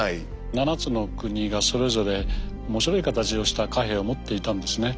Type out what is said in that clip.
７つの国がそれぞれ面白い形をした貨幣を持っていたんですね。